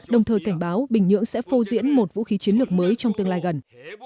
đồng thời cảnh báo bình nhưỡng sẽ phô diễn một vũ khí chiến lược mới trong tương lai gần